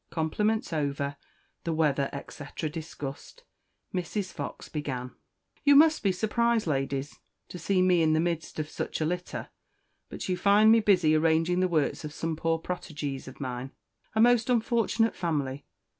Compliments over the weather, etc., discussed, Mrs. Fox began: "You must be surprised, ladies, to see me in the midst of such a litter, but you find me busy arranging the works of some poor protégées of mine. A most unfortunate family!